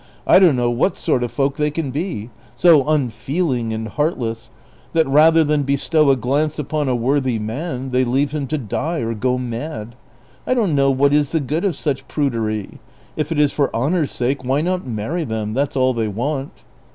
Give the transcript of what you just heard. I don't know what sort of folk they can be, so unfeeling and heartless, that rather than bestow a glance upon a worthy man they leave him to die or go mad. I don't know what is the good of such prudery ; if it is for honor's sake, why not marry them ? That 's all they want."